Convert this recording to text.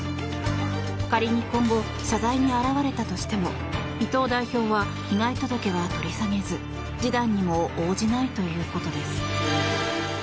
仮に今後謝罪に現れたとしても伊藤代表は被害届は取り下げず示談にも応じないということです。